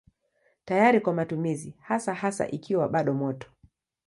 Tayari kwa matumizi hasa hasa ikiwa bado moto.